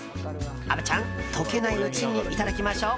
虻ちゃん溶けないうちにいただきましょう。